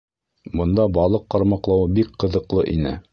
Бында балыҡ ҡармаҡлауы бик ҡыҙыҡлы ине.